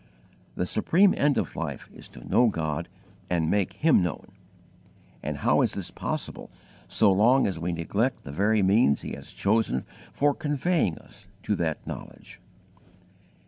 The supreme end of life is to know God and make Him known; and how is this possible so long as we neglect the very means He has chosen for conveying to us that knowledge!